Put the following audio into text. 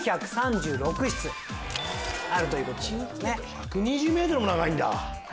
１２０ｍも長いんだ。